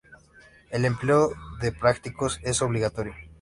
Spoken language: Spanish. El empleo de prácticos es obligatorio.